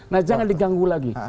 nah jangan diganggu lagi